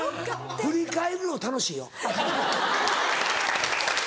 振り返るの楽しいよ。